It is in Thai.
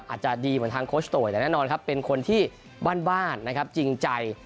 มันอาจจะดีเหมือนทางโค้ชโตยแต่แน่นอนครับเป็นคนที่ว่านจริงใจ